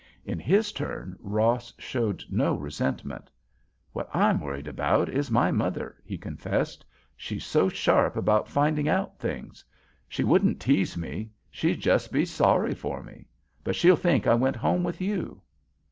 In his turn Ross showed no resentment. "What I'm worried about is my mother," he confessed. "She's so sharp about finding out things. She wouldn't tease me—she'd just be sorry for me. But she'll think I went home with you."